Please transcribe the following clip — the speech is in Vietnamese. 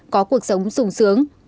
có cuộc sống sùng sướng